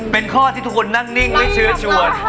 เป็นข้อที่ทุกคนนั่งนิ่งไม่เชิญชวน